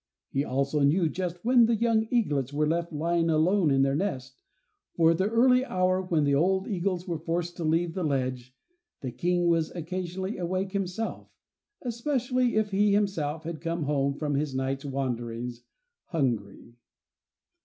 He also knew just when the young eaglets were left lying alone in their nest, for at the early hour when the old eagles were forced to leave the ledge, the King was occasionally awake himself, especially if he himself had come home from his night's wanderings hungry.